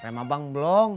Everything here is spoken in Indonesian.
rema bang belum